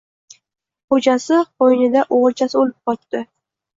Xo‘jasi qo‘yni-da o‘g‘ilchasi o‘lib yotdi.